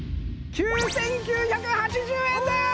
９９８０円です！